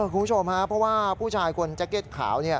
คุณผู้ชมครับเพราะว่าผู้ชายคนแจ็คเก็ตขาว